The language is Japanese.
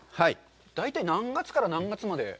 大体何月から何月まで？